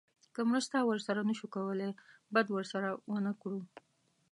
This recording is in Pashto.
که مرسته ورسره نه شو کولی بد ورسره ونه کړو.